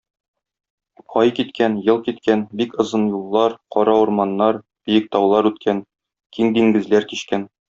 Ай киткән, ел киткән, бик озын юллар, кара урманнар, биек таулар үткән, киң диңгезләр кичкән.